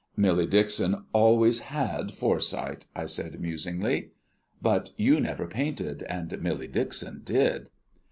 "Millie Dixon always had foresight," I said musingly. "But you never painted, and Millie Dixon did."